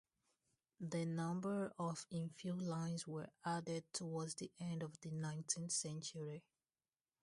A number of infill lines were added towards the end of the nineteenth century.